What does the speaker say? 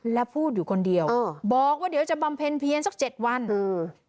และพูดอยู่คนเดียวเออบอกว่าเดี๋ยวจะบำเพ็ญเพียนสักเจ็ดวันเออ